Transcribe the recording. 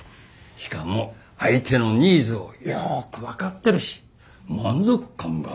しかも相手のニーズをよく分かってるし満足感が高い。